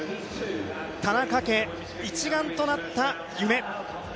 田中家、一丸となった夢。